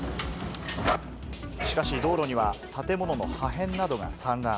しかし道路には建物の破片などが散乱。